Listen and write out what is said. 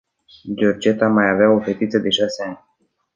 Georgeta mai avea o fetiță de șase ani.